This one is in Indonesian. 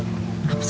masih mau kerja